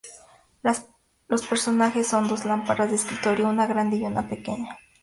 Los personajes son dos lámparas de escritorio, una grande y una pequeña.